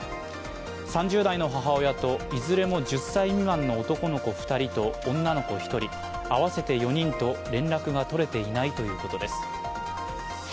３０代の母親と、いずれも１０歳未満の男の子２人と女の子１人、合わせて４人と連絡が取れていないということです。